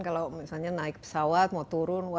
kalau misalnya naik pesawat mau turun